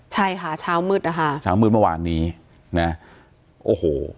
ใช่ค่ะเช้ามืดนะคะเช้ามืดเมื่อวานนี้นะโอ้โห